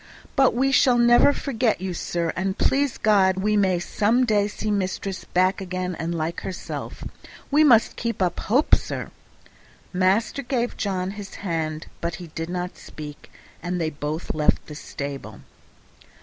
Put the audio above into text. But we shall never forget you, sir, and please God, we may some day see mistress back again like herself; we must keep up hope, sir." Master gave John his hand, but he did not speak, and they both left the stable.